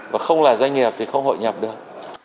và không là doanh nghiệp thì không hội nhập được